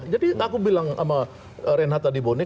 jadi aku bilang sama renata dibone